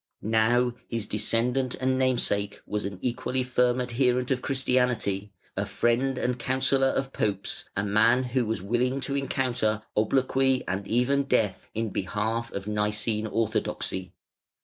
Now, his descendant and namesake was an equally firm adherent of Christianity, a friend and counsellor of Popes, a man who was willing to encounter obloquy and even death in behalf of Nicene orthodoxy.